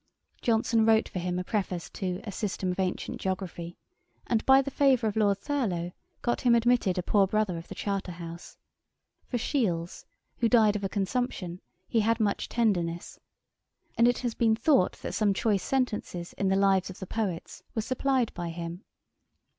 Johnson wrote for him a Preface to A System of Ancient Geography; and, by the favour of Lord Thurlow, got him admitted a poor brother of the Charterhouse. For Shiels, who died, of a consumption, he had much tenderness; and it has been thought that some choice sentences in the Lives of the Poets were supplied by him.